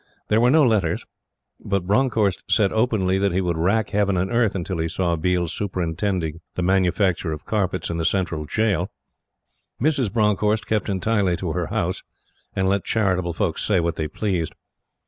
There were no letters; but Bronckhorst said openly that he would rack Heaven and Earth until he saw Biel superintending the manufacture of carpets in the Central Jail. Mrs. Bronckhorst kept entirely to her house, and let charitable folks say what they pleased.